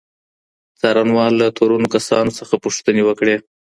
څارنوال له تورنو کسانو څخه پوښتني وکړې.